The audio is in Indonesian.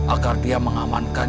agar dia mengamankan